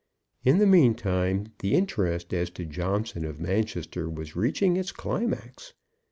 In the meantime the interest as to Johnson of Manchester was reaching its climax.